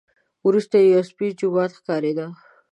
وروسته یو سپین جومات ښکارېده.